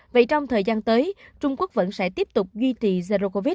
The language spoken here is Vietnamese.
vậy trong thời gian tới trung quốc vẫn sẽ tiếp tục duy trì zero covid